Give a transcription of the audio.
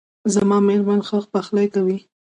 زما میرمن ښه پخلی کوي